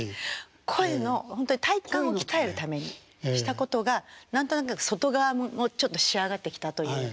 声のほんとに体幹を鍛えるためにしたことが何となく外側もちょっと仕上がってきたという。